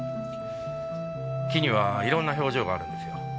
木にはいろんな表情があるんですよ。